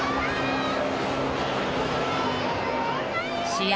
試合